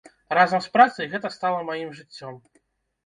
Разам з працай гэта стала маім жыццём.